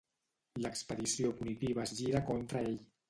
L'expedició punitiva es gira contra ell.